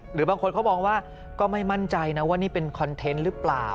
หรือบางคนเขามองว่าก็ไม่มั่นใจนะว่านี่เป็นคอนเทนต์หรือเปล่า